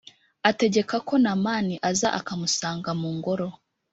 Ategekako namani aza akamusanga mungoro